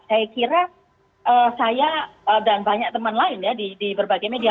saya kira saya dan banyak teman lain ya di berbagai media